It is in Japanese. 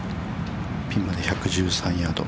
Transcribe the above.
◆ピンまで１１３ヤード。